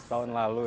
setahun lalu ya